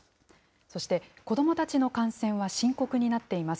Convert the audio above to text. そして子どもたちの感染は深刻になっています。